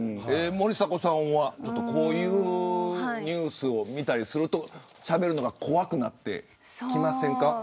森迫さんはこういうニュース見たりするとしゃべるのが怖くなってきませんか。